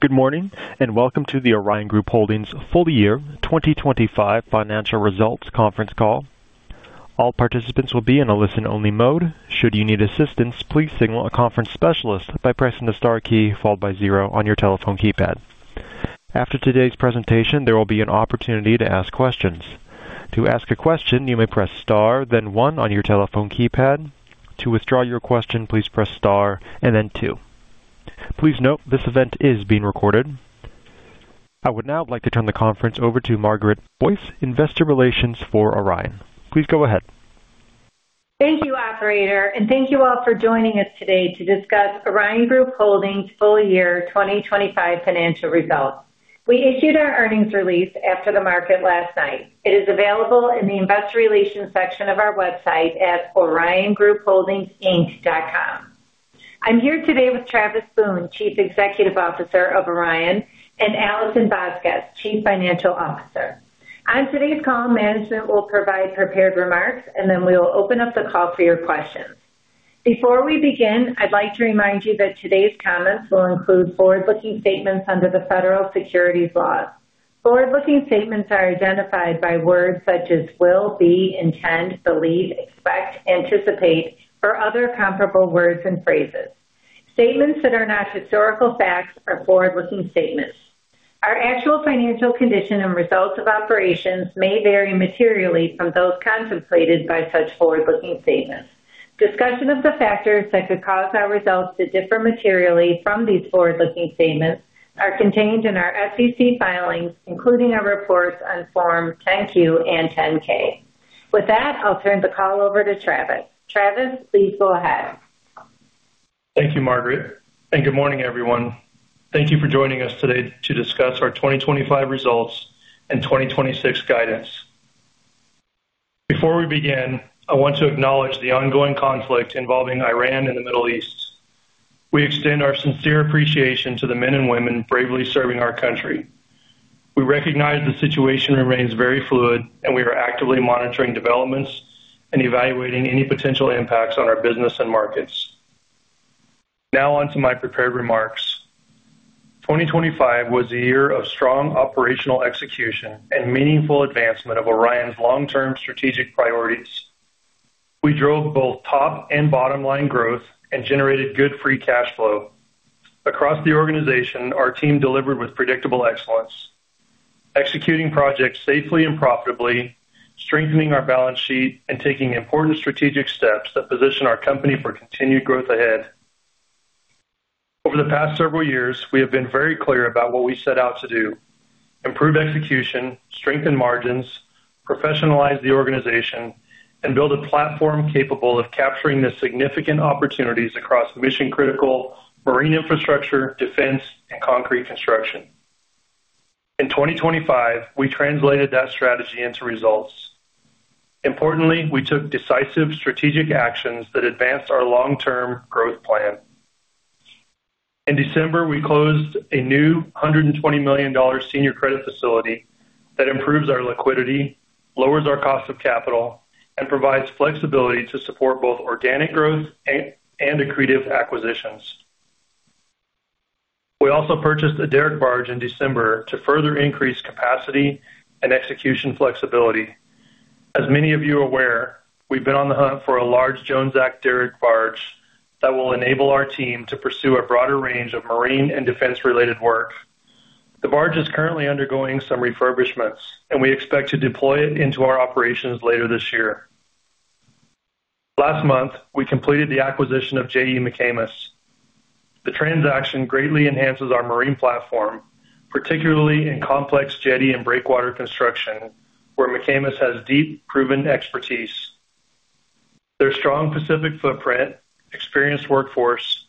Good morning, welcome to the Orion Group Holdings Full Year 2025 Financial Results conference call. All participants will be in a listen-only mode. Should you need assistance, please signal a conference specialist by pressing the Star key followed by 0 on your telephone keypad. After today's presentation, there will be an opportunity to ask questions. To ask a question, you may press Star, then 1 on your telephone keypad. To withdraw your question, please press Star and then 2. Please note, this event is being recorded. I would now like to turn the conference over to Margaret Boyce, Investor Relations for Orion. Please go ahead. Thank you, operator, thank you all for joining us today to discuss Orion Group Holdings Full Year 2025 financial results. We issued our earnings release after the market last night. It is available in the investor relations section of our website at oriongroupholdingsinc.com. I'm here today with Travis Boone, Chief Executive Officer of Orion, and Alison Vasquez, Chief Financial Officer. On today's call, management will provide prepared remarks, then we will open up the call for your questions. Before we begin, I'd like to remind you that today's comments will include forward-looking statements under the federal securities laws. Forward-looking statements are identified by words such as will, be, intend, believe, expect, anticipate, or other comparable words and phrases. Statements that are not historical facts are forward-looking statements. Our actual financial condition and results of operations may vary materially from those contemplated by such forward-looking statements. Discussion of the factors that could cause our results to differ materially from these forward-looking statements are contained in our SEC filings, including our reports on Form 10-Q and 10-K. I'll turn the call over to Travis. Travis, please go ahead. Thank you, Margaret. Good morning, everyone. Thank you for joining us today to discuss our 2025 results and 2026 guidance. Before we begin, I want to acknowledge the ongoing conflict involving Iran and the Middle East. We extend our sincere appreciation to the men and women bravely serving our country. We recognize the situation remains very fluid, and we are actively monitoring developments and evaluating any potential impacts on our business and markets. On to my prepared remarks. 2025 was a year of strong operational execution and meaningful advancement of Orion's long-term strategic priorities. We drove both top and bottom-line growth and generated good free cash flow. Across the organization, our team delivered with predictable excellence, executing projects safely and profitably, strengthening our balance sheet, and taking important strategic steps that position our company for continued growth ahead. Over the past several years, we have been very clear about what we set out to do: improve execution, strengthen margins, professionalize the organization, and build a platform capable of capturing the significant opportunities across mission-critical marine infrastructure, defense, and concrete construction. In 2025, we translated that strategy into results. Importantly, we took decisive strategic actions that advanced our long-term growth plan. In December, we closed a new $120 million senior credit facility that improves our liquidity, lowers our cost of capital, and provides flexibility to support both organic growth and accretive acquisitions. We also purchased a derrick barge in December to further increase capacity and execution flexibility. As many of you are aware, we've been on the hunt for a large Jones Act derrick barge that will enable our team to pursue a broader range of marine and defense-related work. The barge is currently undergoing some refurbishments, and we expect to deploy it into our operations later this year. Last month, we completed the acquisition of J.E. McAmis. The transaction greatly enhances our marine platform, particularly in complex jetty and breakwater construction, where McAmis has deep, proven expertise. Their strong Pacific footprint, experienced workforce,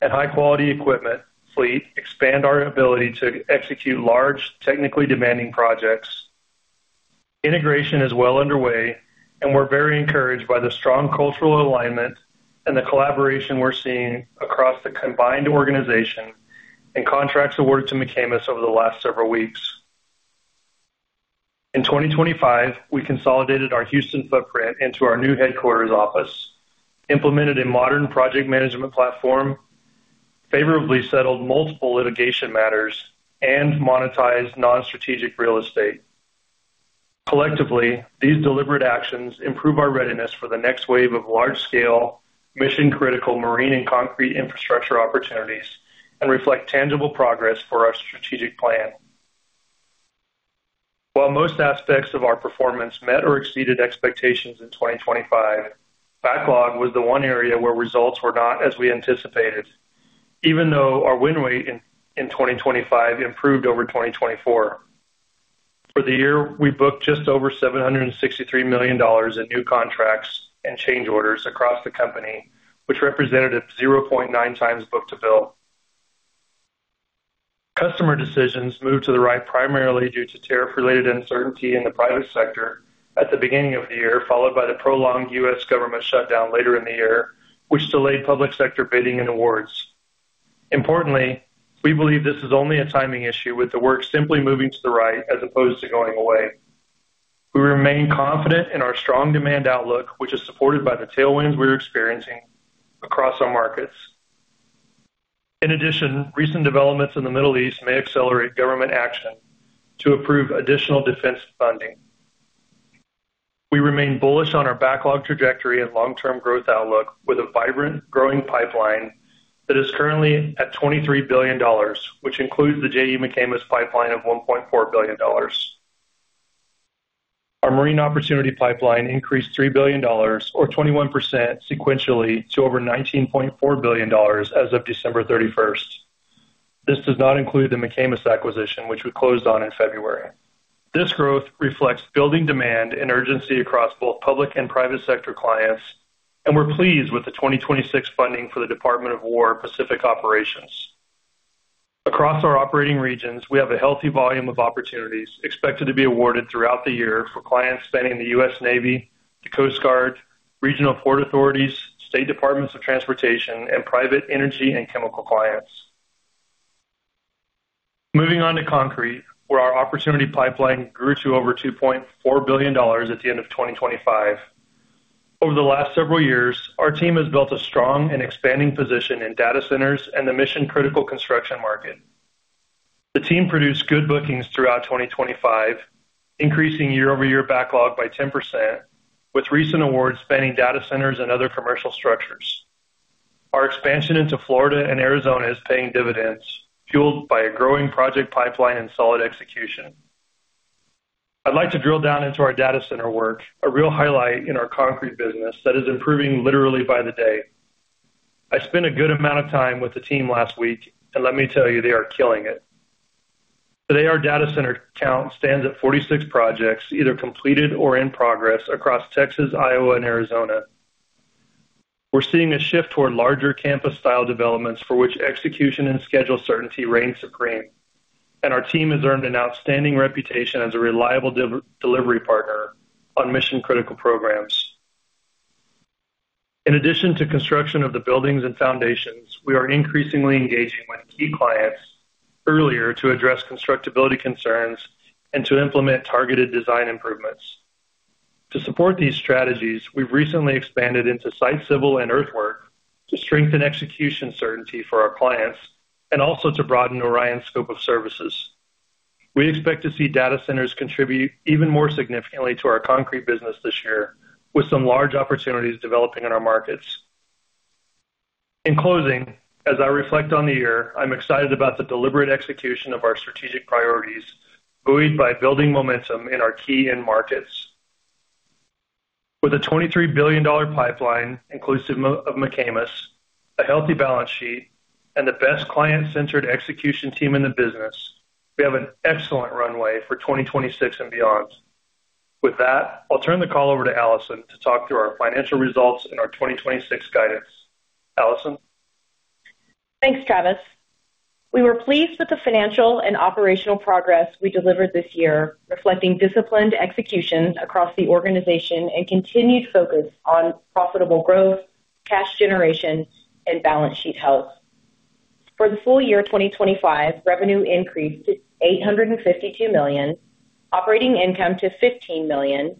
and high-quality equipment fleet expand our ability to execute large, technically demanding projects. Integration is well underway, and we're very encouraged by the strong cultural alignment and the collaboration we're seeing across the combined organization and contracts awarded to McAmis over the last several weeks. In 2025, we consolidated our Houston footprint into our new headquarters office, implemented a modern project management platform, favorably settled multiple litigation matters, and monetized non-strategic real estate. Collectively, these deliberate actions improve our readiness for the next wave of large-scale, mission-critical marine and concrete infrastructure opportunities and reflect tangible progress for our strategic plan. While most aspects of our performance met or exceeded expectations in 2025, backlog was the one area where results were not as we anticipated, even though our win rate in 2025 improved over 2024. For the year, we booked just over $763 million in new contracts and change orders across the company, which represented a 0.9 times book-to-bill. Customer decisions moved to the right primarily due to tariff-related uncertainty in the private sector at the beginning of the year, followed by the prolonged U.S. government shutdown later in the year, which delayed public sector bidding and awards. Importantly, we believe this is only a timing issue with the work simply moving to the right as opposed to going away. We remain confident in our strong demand outlook, which is supported by the tailwinds we're experiencing across our markets. Recent developments in the Middle East may accelerate government action to approve additional defense funding. We remain bullish on our backlog trajectory and long-term growth outlook with a vibrant growing pipeline that is currently at $23 billion, which includes the J.E. McAmis pipeline of $1.4 billion. Our marine opportunity pipeline increased $3 billion, or 21% sequentially, to over $19.4 billion as of December 31st. This does not include the J.E. McAmis acquisition, which we closed on in February. This growth reflects building demand and urgency across both public and private sector clients. We're pleased with the 2026 funding for the Department of War Pacific Operations. Across our operating regions, we have a healthy volume of opportunities expected to be awarded throughout the year for clients spanning the U.S. Navy, the U.S. Coast Guard, regional port authorities, state departments of transportation, and private energy and chemical clients. Moving on to concrete, where our opportunity pipeline grew to over $2.4 billion at the end of 2025. Over the last several years, our team has built a strong and expanding position in data centers and the mission-critical construction market. The team produced good bookings throughout 2025, increasing year-over-year backlog by 10%, with recent awards spanning data centers and other commercial structures. Our expansion into Florida and Arizona is paying dividends, fueled by a growing project pipeline and solid execution. I'd like to drill down into our data center work, a real highlight in our concrete business that is improving literally by the day. I spent a good amount of time with the team last week, let me tell you, they are killing it. Today, our data center count stands at 46 projects, either completed or in progress across Texas, Iowa, and Arizona. We're seeing a shift toward larger campus-style developments for which execution and schedule certainty reign supreme. Our team has earned an outstanding reputation as a reliable delivery partner on mission-critical programs. In addition to construction of the buildings and foundations, we are increasingly engaging with key clients earlier to address constructability concerns and to implement targeted design improvements. To support these strategies, we've recently expanded into site civil and earthwork to strengthen execution certainty for our clients and also to broaden Orion's scope of services. We expect to see data centers contribute even more significantly to our concrete business this year, with some large opportunities developing in our markets. In closing, as I reflect on the year, I'm excited about the deliberate execution of our strategic priorities, buoyed by building momentum in our key end markets. With a $23 billion pipeline, inclusive of J.E. McAmis, a healthy balance sheet, and the best client-centered execution team in the business, we have an excellent runway for 2026 and beyond. I'll turn the call over to Alison to talk through our financial results and our 2026 guidance. Alison. Thanks, Travis. We were pleased with the financial and operational progress we delivered this year, reflecting disciplined execution across the organization and continued focus on profitable growth, cash generation, and balance sheet health. For the full year 2025, revenue increased to $852 million, operating income to $15 million,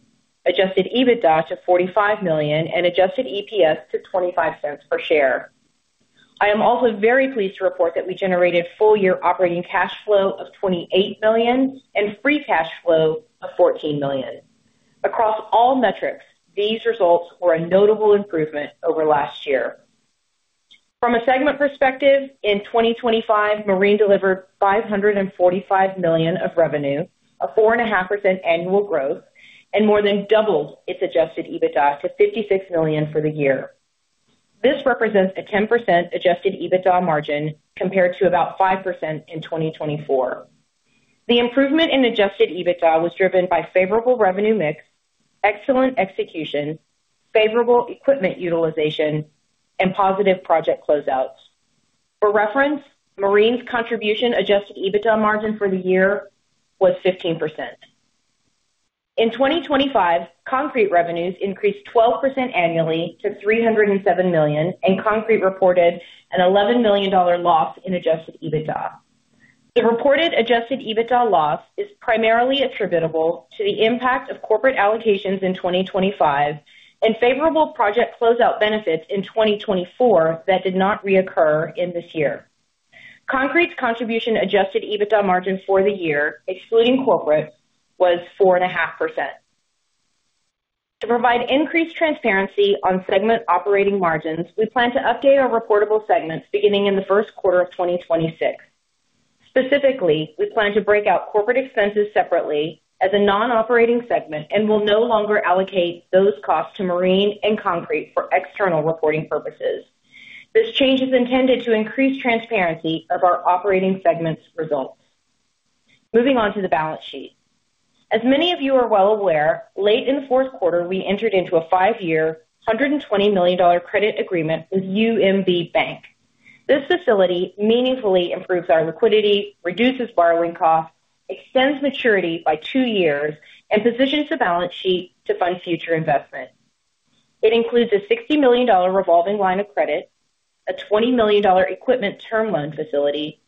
Adjusted EBITDA to $45 million, and Adjusted EPS to $0.25 per share. I am also very pleased to report that we generated full-year operating cash flow of $28 million and free cash flow of $14 million. Across all metrics, these results were a notable improvement over last year. From a segment perspective, in 2025, Marine delivered $545 million of revenue, a 4.5% annual growth, and more than doubled its Adjusted EBITDA to $56 million for the year. This represents a 10% Adjusted EBITDA margin compared to about 5% in 2024. The improvement in Adjusted EBITDA was driven by favorable revenue mix, excellent execution, favorable equipment utilization, and positive project closeouts. For reference, Marine's contribution Adjusted EBITDA margin for the year was 15%. In 2025, concrete revenues increased 12% annually to $307 million, and concrete reported an $11 million loss in Adjusted EBITDA. The reported Adjusted EBITDA loss is primarily attributable to the impact of corporate allocations in 2025 and favorable project closeout benefits in 2024 that did not reoccur in this year. Concrete's contribution Adjusted EBITDA margin for the year, excluding corporate, was 4.5%. To provide increased transparency on segment operating margins, we plan to update our reportable segments beginning in the Q1 of 2026. Specifically, we plan to break out corporate expenses separately as a non-operating segment and will no longer allocate those costs to marine and concrete for external reporting purposes. This change is intended to increase transparency of our operating segments results. Moving on to the balance sheet. As many of you are well aware, late in theQ4, we entered into a 5-year, $120 million credit agreement with UMB Bank. This facility meaningfully improves our liquidity, reduces borrowing costs, extends maturity by 2 years, and positions the balance sheet to fund future investment. It includes a $60 million revolving line of credit, a $20 million equipment term loan facility,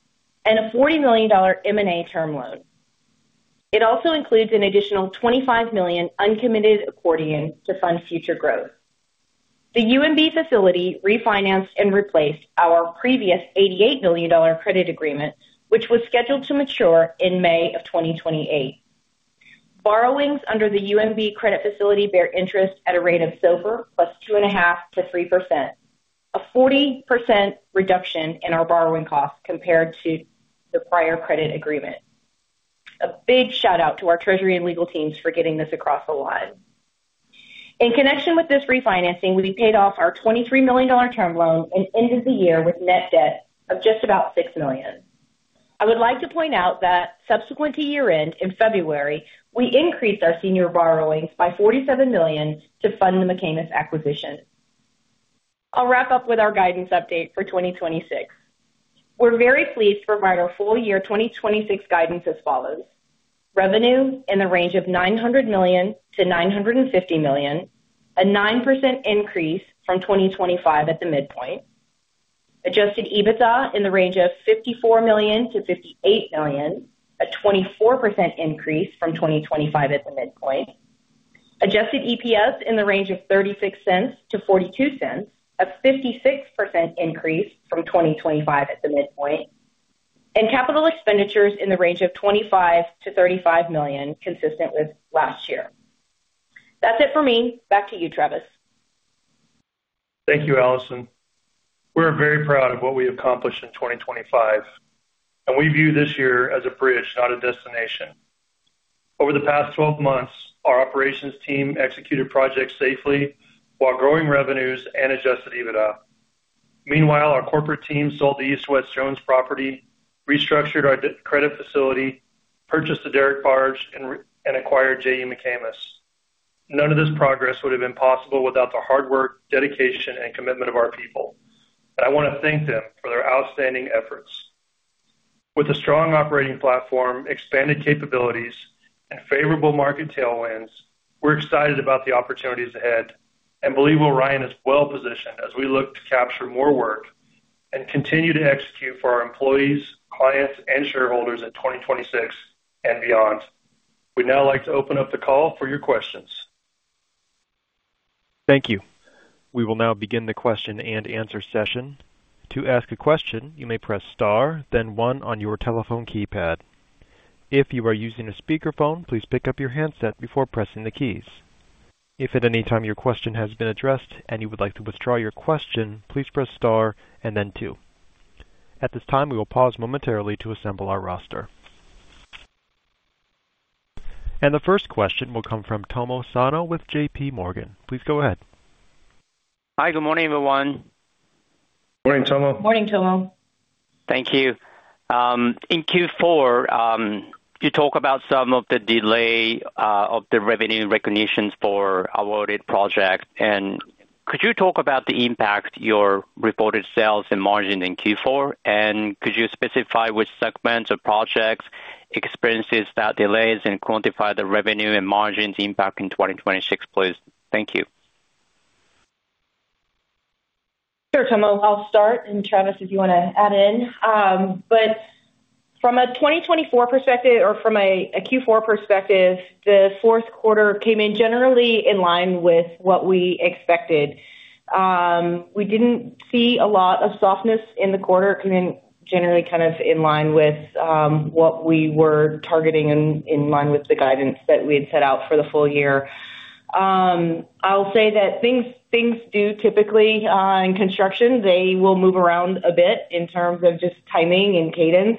and a $40 million M&A term loan. It also includes an additional $25 million uncommitted accordion to fund future growth. The UMB facility refinanced and replaced our previous $88 million credit agreement, which was scheduled to mature in May of 2028. Borrowings under the UMB credit facility bear interest at a rate of SOFR plus 2.5%-3%, a 40% reduction in our borrowing costs compared to the prior credit agreement. A big shout out to our treasury and legal teams for getting this across the line. In connection with this refinancing, we paid off our $23 million term loan and ended the year with net debt of just about $6 million. I would like to point out that subsequent to year-end in February, we increased our senior borrowings by $47 million to fund the McAmis acquisition. I'll wrap up with our guidance update for 2026. We're very pleased to provide our full year 2026 guidance as follows: revenue in the range of $900 million-$950 million, a 9% increase from 2025 at the midpoint. Adjusted EBITDA in the range of $54 million-$58 million, a 24% increase from 2025 at the midpoint. Adjusted EPS in the range of $0.36-$0.42, a 56% increase from 2025 at the midpoint. Capital expenditures in the range of $25 million-$35 million, consistent with last year. That's it for me. Back to you, Travis. Thank you, Alison. We're very proud of what we accomplished in 2025, we view this year as a bridge, not a destination. Over the past 12 months, our operations team executed projects safely while growing revenues and Adjusted EBITDA. Meanwhile, our corporate team sold the East and West Jones property, restructured our d-credit facility, purchased the derrick barge, and acquired J. E. McAmis. None of this progress would have been possible without the hard work, dedication, and commitment of our people. I want to thank them for their outstanding efforts. With a strong operating platform, expanded capabilities, and favorable market tailwinds, we're excited about the opportunities ahead and believe Orion is well-positioned as we look to capture more work and continue to execute for our employees, clients, and shareholders in 2026 and beyond. We'd now like to open up the call for your questions. Thank you. We will now begin the question-and-answer session. To ask a question, you may press star then one on your telephone keypad. If you are using a speakerphone, please pick up your handset before pressing the keys. If at any time your question has been addressed and you would like to withdraw your question, please press star and then two. At this time, we will pause momentarily to assemble our roster. The first question will come from Tomohiko Sano with JP Morgan. Please go ahead. Hi. Good morning, everyone. Morning, Tomo. Morning, Tomo. Thank you. In Q4, you talk about some of the delay, of the revenue recognitions for awarded projects. Could you talk about the impact your reported sales and margin in Q4? Could you specify which segments or projects experiences that delays and quantify the revenue and margins impact in 2026, please? Thank you. Sure, Tomo. I'll start, Travis, if you wanna add in. From a 2024 perspective or from a Q4 perspective, theQ4 came in generally in line with what we expected. We didn't see a lot of softness in the quarter, come in generally kind of in line with what we were targeting and in line with the guidance that we had set out for the full year. I'll say that things do typically, in construction, they will move around a bit in terms of just timing and cadence.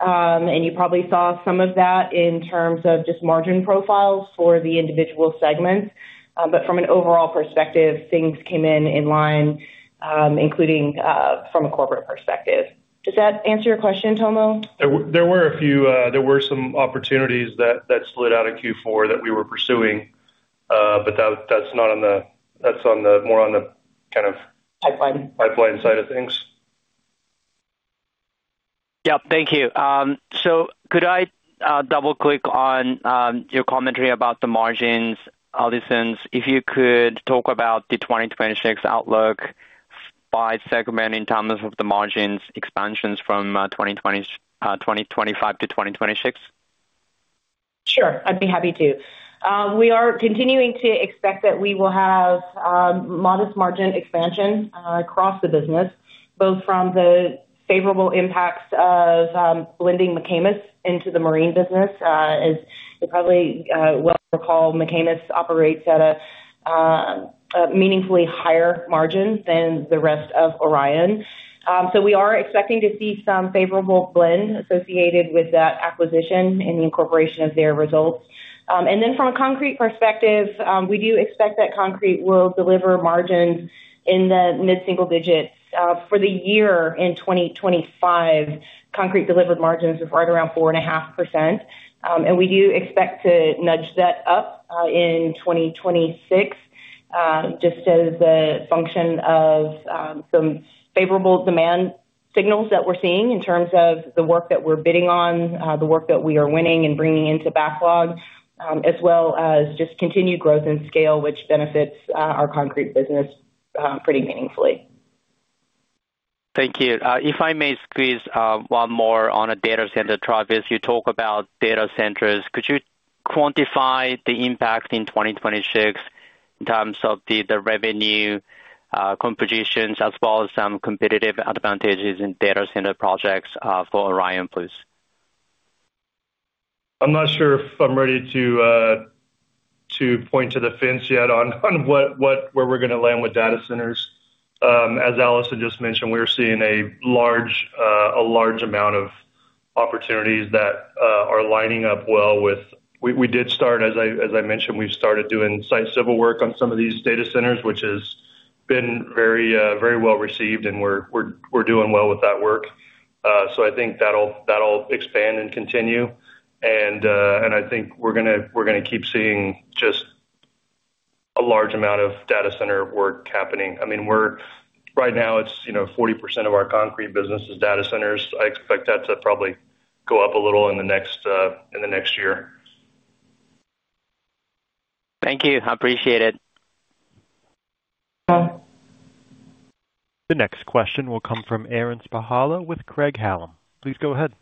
You probably saw some of that in terms of just margin profiles for the individual segments. From an overall perspective, things came in in line, including from a corporate perspective. Does that answer your question, Tomo? There were a few, there were some opportunities that slid out in Q4 that we were pursuing. That's on the more on the kind of. Pipeline. Pipeline side of things. Yeah. Thank you. Could I double-click on your commentary about the margins, Alison's? If you could talk about the 2026 outlook by segment in terms of the margins expansions from 2025 to 2026. Sure, I'd be happy to. We are continuing to expect that we will have modest margin expansion across the business, both from the favorable impacts of blending J.E. McAmis into the marine business. As you probably well recall, J.E. McAmis operates at a meaningfully higher margin than the rest of Orion. We are expecting to see some favorable blend associated with that acquisition and the incorporation of their results. From a concrete perspective, we do expect that concrete will deliver margins in the mid-single digits. For the year in 2025, concrete delivered margins of right around 4.5%. We do expect to nudge that up in 2026, just as a function of some favorable demand signals that we're seeing in terms of the work that we're bidding on, the work that we are winning and bringing into backlog, as well as just continued growth and scale, which benefits our concrete business pretty meaningfully. Thank you. If I may squeeze one more on a data center. Travis, you talk about data centers. Could you quantify the impact in 2026 in terms of the revenue, compositions as well as some competitive advantages in data center projects, for Orion, please? I'm not sure if I'm ready to point to the fence yet on where we're gonna land with data centers. As Alison just mentioned, we're seeing a large amount of opportunities that are lining up well with. We did start as I mentioned, we've started doing site civil work on some of these data centers, which has been very well received, and we're doing well with that work. So I think that'll expand and continue. I think we're gonna, we're gonna keep seeing just a large amount of data center work happening. I mean, right now it's, you know, 40% of our concrete business is data centers. I expect that to probably go up a little in the next year. Thank you. I appreciate it. The next question will come from Aaron Spychalla with Craig-Hallum. Please go ahead.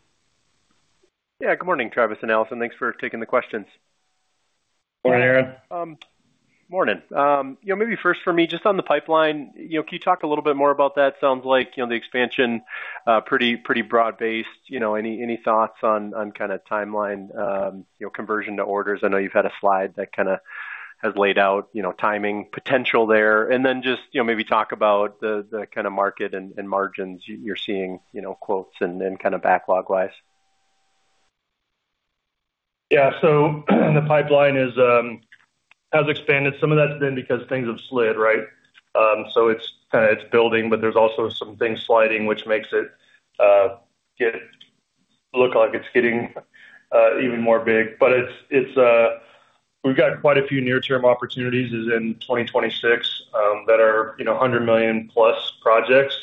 Yeah. Good morning, Travis and Alison. Thanks for taking the questions. Morning, Aaron. Morning. you know, maybe first for me, just on the pipeline, you know, can you talk a little bit more about that? Sounds like, you know, the expansion, pretty broad-based, you know. Any thoughts on kinda timeline, you know, conversion to orders? I know you've had a slide that kinda has laid out, you know, timing potential there. Then just, you know, maybe talk about the kinda market and margins you're seeing, you know, quotes and kinda backlog-wise. Yeah. The pipeline is has expanded. Some of that's been because things have slid, right? It's kinda, it's building, but there's also some things sliding, which makes it look like it's getting even more big. It's, it's We've got quite a few near-term opportunities is in 2026 that are, you know, $100 million-plus projects.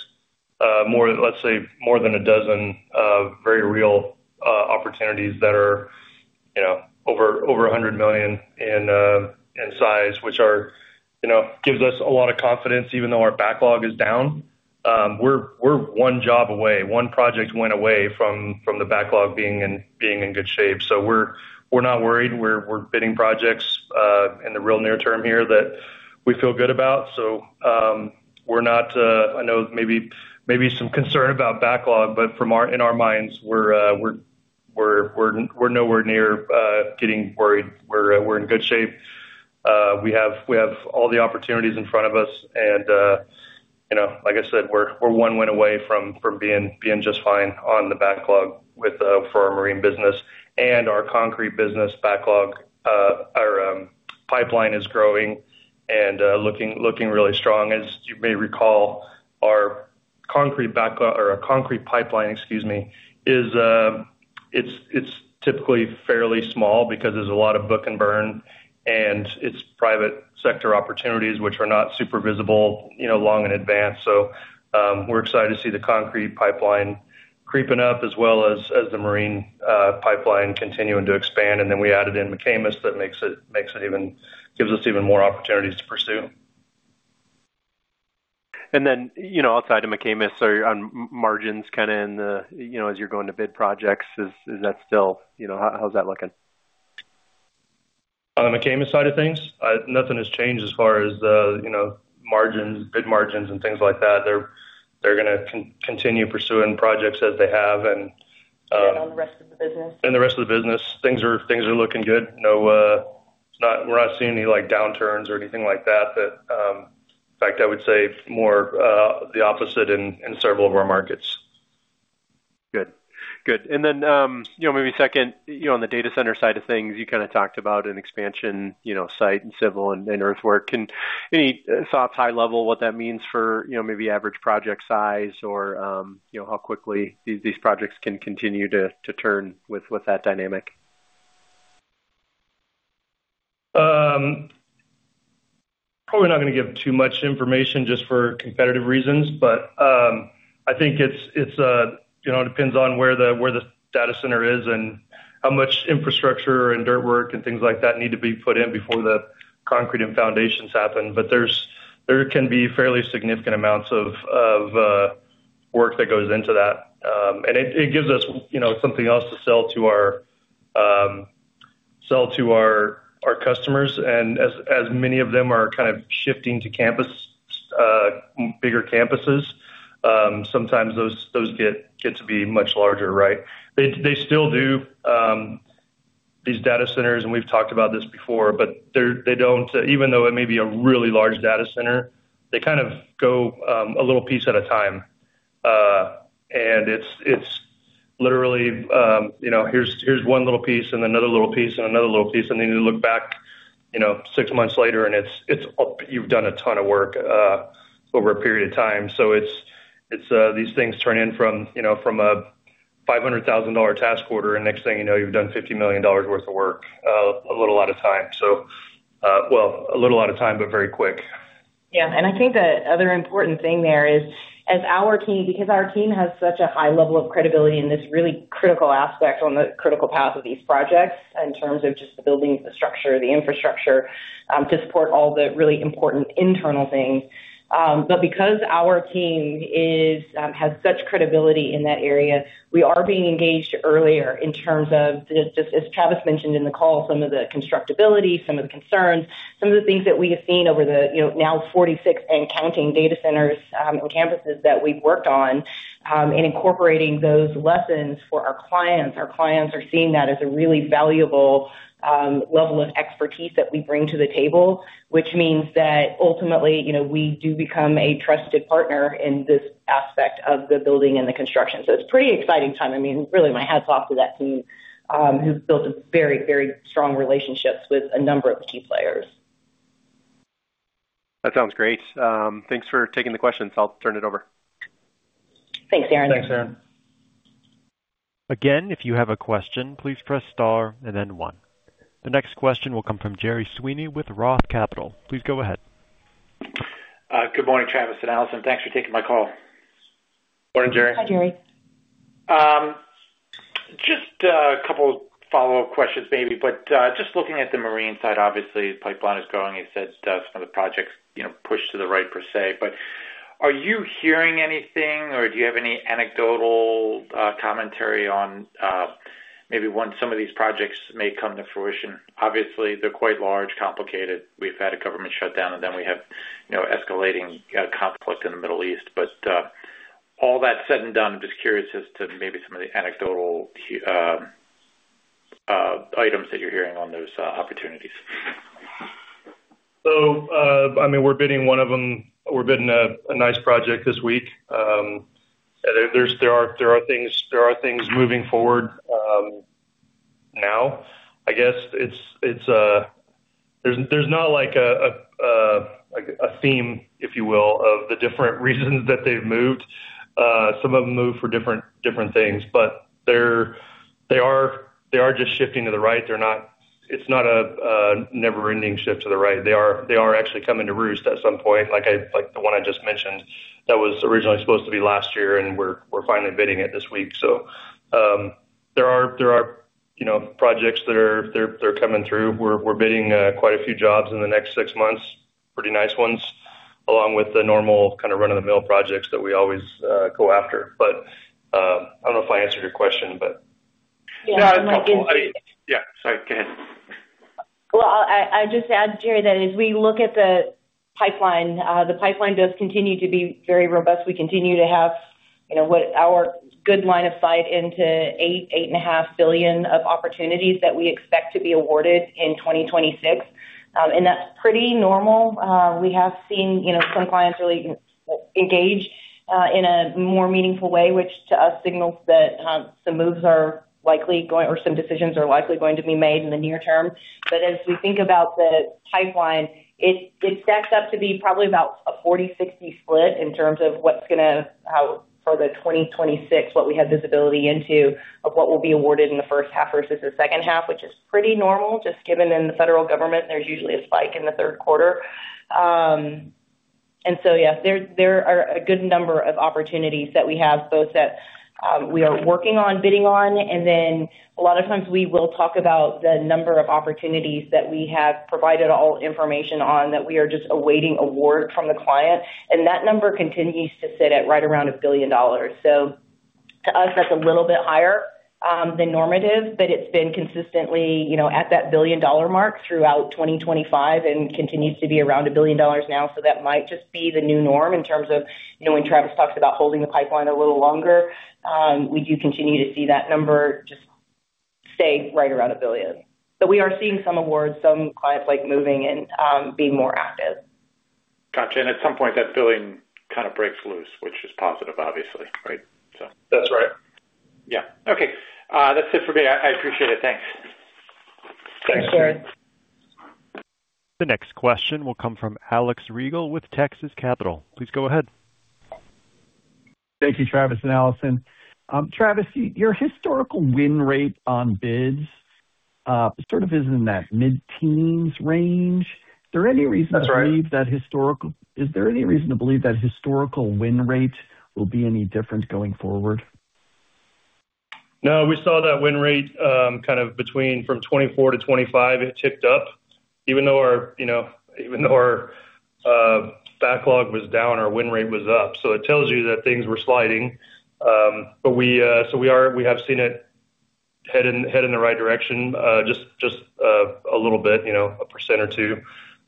More, let's say more than a dozen of very real opportunities that are, you know, over $100 million in size, which are, you know, gives us a lot of confidence even though our backlog is down. We're, we're one job away. One project win away from the backlog being in good shape. We're, we're not worried. We're, we're bidding projects in the real near term here that we feel good about. We're not. I know maybe some concern about backlog, but in our minds we're nowhere near getting worried. We're in good shape. We have all the opportunities in front of us and, you know, like I said, we're one win away from being just fine on the backlog for our marine business. Our concrete business backlog, our pipeline is growing and looking really strong. As you may recall, our concrete pipeline, excuse me, it's typically fairly small because there's a lot of book and burn, and it's private sector opportunities which are not super visible, you know, long in advance. We're excited to see the concrete pipeline creeping up as well as the marine pipeline continuing to expand. We added in J.E. McAmis. That makes it even gives us even more opportunities to pursue. you know, outside of McAmis or on margins kinda, you know, as you're going to bid projects, is that still? You know, how's that looking? On the McAmis side of things. Nothing has changed as far as the, you know, margins, bid margins and things like that. They're gonna continue pursuing projects as they have. On the rest of the business? In the rest of the business, things are looking good. No, we're not seeing any, like, downturns or anything like that. I would say more the opposite in several of our markets. Good. Good. Then, you know, maybe second, you know, on the data center side of things, you kinda talked about an expansion, you know, site and civil and earthwork. Any thoughts, high level, what that means for, you know, maybe average project size or, you know, how quickly these projects can continue to turn with that dynamic? Probably not gonna give too much information just for competitive reasons, but I think it's, you know, it depends on where the, where the data center is and how much infrastructure and dirt work and things like that need to be put in before the concrete and foundations happen. There's, there can be fairly significant amounts of work that goes into that. It gives us, you know, something else to sell to our sell to our customers. As many of them are kind of shifting to campus, bigger campuses, sometimes those get to be much larger, right? They still do these data centers, and we've talked about this before, but they're, they don't. Even though it may be a really large data center, they kind of go a little piece at a time. It's literally, you know, here's one little piece and another little piece and another little piece, and then you look back, you know, six months later and it's up. You've done a ton of work over a period of time. It's these things turn in from, you know, from $500,000 task quarter, and next thing you know, you've done $50 million worth of work. A little out of time, well, a little out of time, but very quick. Yeah. I think the other important thing there is, as our team, because our team has such a high level of credibility in this really critical aspect on the critical path of these projects in terms of just the buildings, the structure, the infrastructure, to support all the really important internal things. But because our team has such credibility in that area, we are being engaged earlier in terms of, just as Travis mentioned in the call, some of the constructability, some of the concerns, some of the things that we have seen over the, you know, now 46 and counting data centers, on campuses that we've worked on, and incorporating those lessons for our clients. Our clients are seeing that as a really valuable level of expertise that we bring to the table, which means that ultimately, you know, we do become a trusted partner in this aspect of the building and the construction. It's pretty exciting time. I mean, really, my hats off to that team, who's built a very strong relationships with a number of key players. That sounds great. Thanks for taking the questions. I'll turn it over. Thanks, Aaron. Thanks, Aaron. Again, if you have a question, please press star and then 1. The next question will come from Gerry Sweeney with ROTH Capital. Please go ahead. Good morning, Travis and Alison. Thanks for taking my call. Morning, Gerard. Hi, Gerard. Just a couple of follow-up questions, maybe, but just looking at the marine side, obviously, pipeline is going. It says some of the projects, you know, pushed to the right per se. Are you hearing anything or do you have any anecdotal commentary on maybe when some of these projects may come to fruition? Obviously, they're quite large, complicated. We've had a government shutdown, and then we have, you know, escalating conflict in the Middle East. All that said and done, just curious as to maybe some of the anecdotal items that you're hearing on those opportunities. I mean, we're bidding one of them. We're bidding a nice project this week. There are things moving forward now. I guess it's there's not like a theme, if you will, of the different reasons that they've moved. Some of them move for different things, but they are just shifting to the right. It's not a never-ending shift to the right. They are actually coming to roost at some point, like the one I just mentioned that was originally supposed to be last year, and we're finally bidding it this week. There are, you know, projects that are coming through. We're bidding, quite a few jobs in the next 6 months, pretty nice ones, along with the normal kind of run-of-the-mill projects that we always, go after. I don't know if I answered your question, but. Yeah. No, it's helpful. Yeah. Sorry. Go ahead. I just add, Gerard, that as we look at the pipeline, the pipeline does continue to be very robust. We continue to have, you know, what our good line of sight into 8 and a half billion of opportunities that we expect to be awarded in 2026. That's pretty normal. We have seen, you know, some clients really engage in a more meaningful way, which to us signals that some decisions are likely going to be made in the near term. As we think about the pipeline, it stacks up to be probably about a 40/60 split in terms of what's gonna how for the 2026, what we have visibility into of what will be awarded in the first half versus the second half, which is pretty normal, just given in the federal government, there's usually a spike in the Q3. Yes, there are a good number of opportunities that we have both that we are working on bidding on, and then a lot of times we will talk about the number of opportunities that we have provided all information on that we are just awaiting award from the client. That number continues to sit at right around $1 billion. To us, that's a little bit higher than normative, but it's been consistently, you know, at that billion-dollar mark throughout 2025 and continues to be around $1 billion now. That might just be the new norm in terms of, you know, when Travis talks about holding the pipeline a little longer, we do continue to see that number just stay right around $1 billion. We are seeing some awards, some clients like moving and being more active. Got you. At some point, that billion kind of breaks loose, which is positive, obviously, right? That's right. Yeah. Okay. That's it for me. I appreciate it. Thanks. Thanks, Jerry. The next question will come from Alex Reagle with Texas Capital. Please go ahead. Thank you, Travis and Alison. Travis, your historical win rate on bids, sort of is in that mid-teens range. That's right. Is there any reason to believe that historical win rate will be any different going forward? We saw that win rate, kind of between from 24-25, it ticked up. Even though our, you know, even though our backlog was down, our win rate was up. It tells you that things were sliding. But we, so we have seen it head in the right direction, just a little bit, you know, 1% or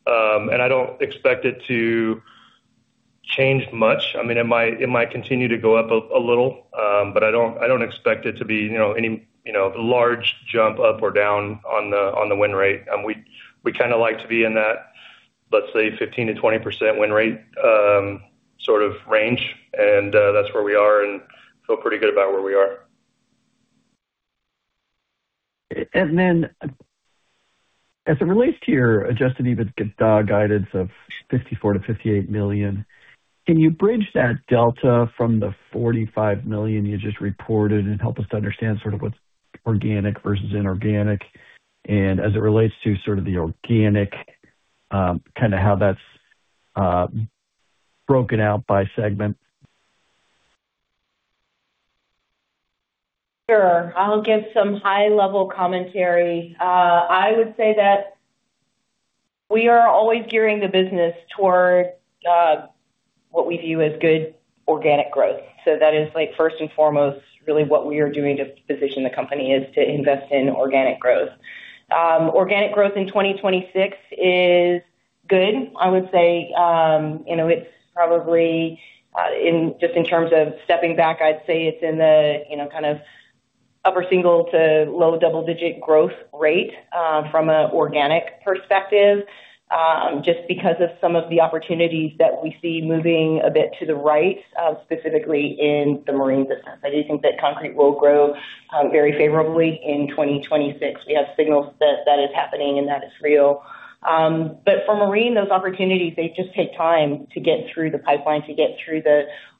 2%. I don't expect it to change much. I mean, it might continue to go up a little, but I don't, I don't expect it to be, you know, any large jump up or down on the win rate. We kinda like to be in that, let's say, 15%-20% win rate, sort of range. That's where we are and feel pretty good about where we are. Then, as it relates to your Adjusted EBITDA guidance of $54 million-$58 million, can you bridge that delta from the $45 million you just reported and help us to understand sort of what's organic versus inorganic and as it relates to sort of the organic, kind of how that's broken out by segment? Sure. I'll give some high-level commentary. I would say that we are always gearing the business towards what we view as good organic growth. That is like first and foremost really what we are doing to position the company, is to invest in organic growth. Organic growth in 2026 is good. I would say, you know, it's probably just in terms of stepping back, I'd say it's in the, you know, kind of upper single to low double-digit growth rate from an organic perspective, just because of some of the opportunities that we see moving a bit to the right, specifically in the marine business. I do think that concrete will grow very favorably in 2026. We have signals that that is happening and that is real. For marine, those opportunities, they just take time to get through the pipeline, to get through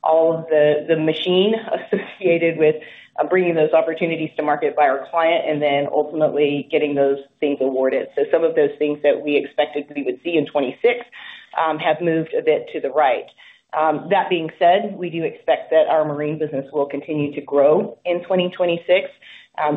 all of the machine associated with bringing those opportunities to market by our client and then ultimately getting those things awarded. Some of those things that we expected we would see in 2026 have moved a bit to the right. That being said, we do expect that our marine business will continue to grow in 2026.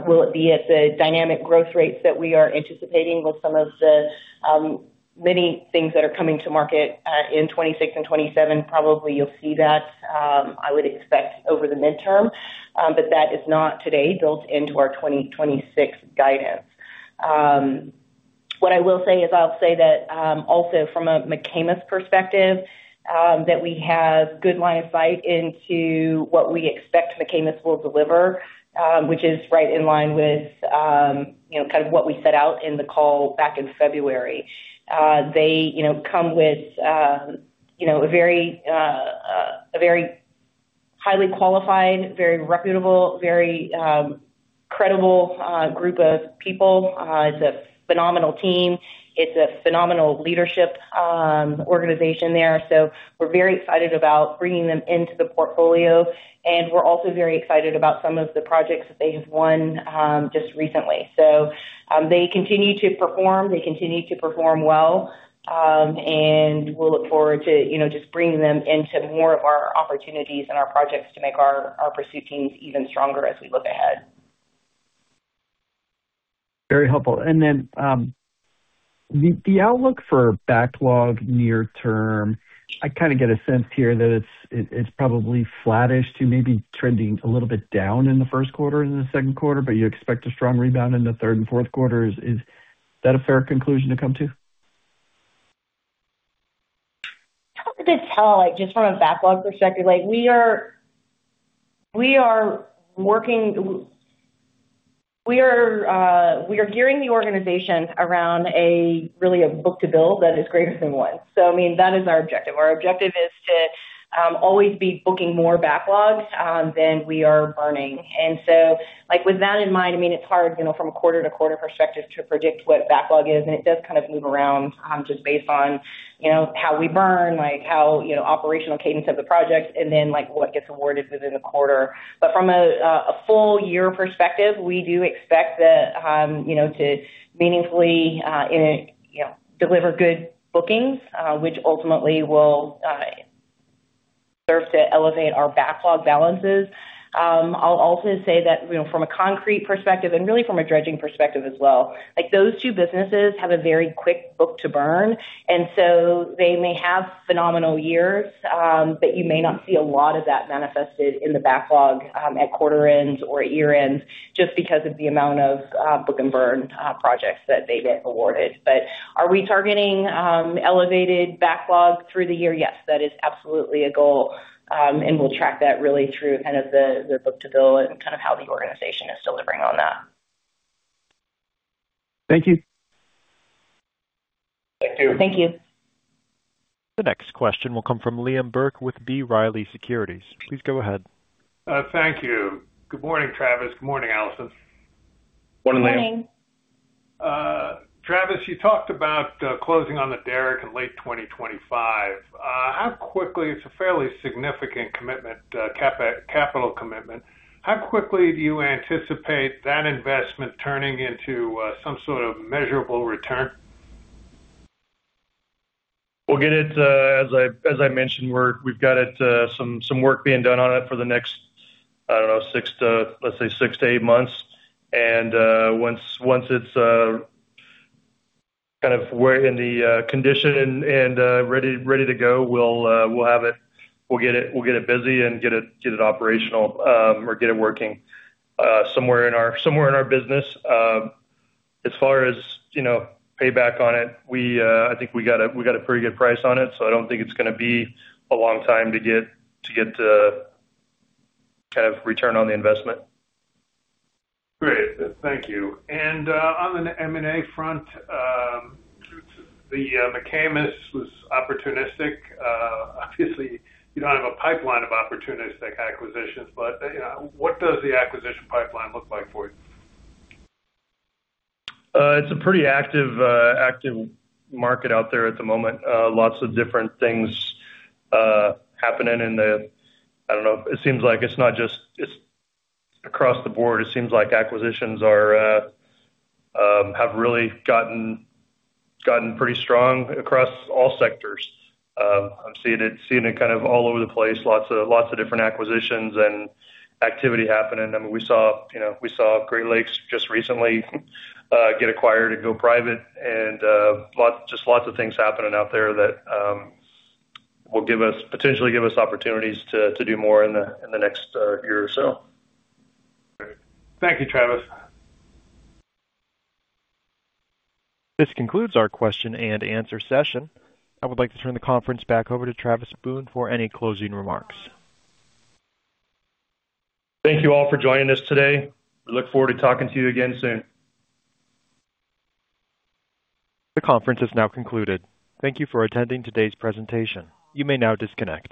Will it be at the dynamic growth rates that we are anticipating with some of the many things that are coming to market in 2026 and 2027? Probably you'll see that, I would expect, over the midterm. That is not today built into our 2026 guidance. What I will say is, I'll say that, also from a McAmis perspective, that we have good line of sight into what we expect McAmis will deliver, which is right in line with, you know, kind of what we set out in the call back in February. They, you know, come with, you know, a very, a very highly qualified, very reputable, very, credible, group of people. It's a phenomenal team. It's a phenomenal leadership, organization there. We're very excited about bringing them into the portfolio. We're also very excited about some of the projects that they have won, just recently. They continue to perform. They continue to perform well. We'll look forward to, you know, just bringing them into more of our opportunities and our projects to make our pursuit teams even stronger as we look ahead. Very helpful. The outlook for backlog near term, I kind of get a sense here that it's probably flattish to maybe trending a little bit down in the Q1 and the second quarter, but you expect a strong rebound in the third andQ4. Is that a fair conclusion to come to? It's hard to tell, like, just from a backlog perspective. Like, we are working. We are gearing the organization around a, really a book-to-bill that is greater than one. I mean, that is our objective. Our objective is to always be booking more backlogs than we are burning. Like, with that in mind, I mean, it's hard, you know, from a quarter-over-quarter perspective to predict what backlog is. It does kind of move around, just based on, you know, how we burn, like how, you know, operational cadence of the project and then, like, what gets awarded within a quarter. From a full year perspective, we do expect that, you know, to meaningfully, you know, deliver good bookings, which ultimately will serve to elevate our backlog balances. I'll also say that, you know, from a concrete perspective and really from a dredging perspective as well, like, those two businesses have a very quick book to burn. They may have phenomenal years, but you may not see a lot of that manifested in the backlog at quarter ends or year ends just because of the amount of book and burn projects that they get awarded. Are we targeting elevated backlogs through the year? Yes, that is absolutely a goal. We'll track that really through kind of the book to bill and kind of how the organization is delivering on that. Thank you. Thank you. The next question will come from Liam Burke with B. Riley Securities. Please go ahead. Thank you. Good morning, Travis. Good morning, Alison. Good morning. Morning. Travis, you talked about closing on the derrick in late 2025. It's a fairly significant commitment, capital commitment. How quickly do you anticipate that investment turning into some sort of measurable return? We'll get it, as I, as I mentioned, we've got it, some work being done on it for the next, I don't know, 6-8 months. Once it's kind of in the condition and ready to go, we'll get it busy and get it operational, or get it working somewhere in our business. As far as, you know, payback on it, we, I think we got a pretty good price on it, so I don't think it's gonna be a long time to get kind of return on the investment. Great. Thank you. On the M&A front, the McAmis was opportunistic. Obviously you don't have a pipeline of opportunistic acquisitions, what does the acquisition pipeline look like for you? It's a pretty active market out there at the moment. Lots of different things happening in the. I don't know. It seems like it's across the board. It seems like acquisitions are have really gotten pretty strong across all sectors. I'm seeing it kind of all over the place. Lots of different acquisitions and activity happening. I mean, we saw, you know, we saw Great Lakes just recently get acquired and go private and just lots of things happening out there that will give us potentially give us opportunities to do more in the next year or so. Thank you, Travis. This concludes our question and answer session. I would like to turn the conference back over to Travis Boone for any closing remarks. Thank you all for joining us today. We look forward to talking to you again soon. The conference is now concluded. Thank you for attending today's presentation. You may now disconnect.